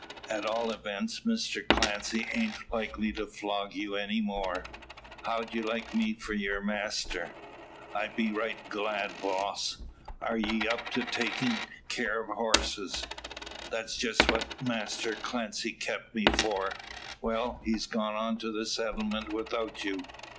At all events, Mister Clancy ain't likely to flog you any more. How'd ye like me for yer master?" "I'd be right glad, boss." "Are ye up to takin' care of horses?" "That's just what Masser Clancy kept me for." "Well; he's gone on to the settlement without you.